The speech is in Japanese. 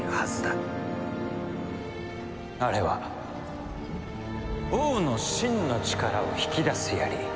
あれは王の真の力を引き出す槍。